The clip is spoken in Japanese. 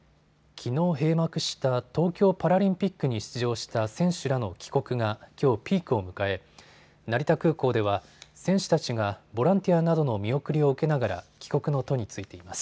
きのう閉幕した東京パラリンピックに出場した選手らの帰国がきょうピークを迎え成田空港では選手たちがボランティアなどの見送りを受けながら帰国の途に就いています。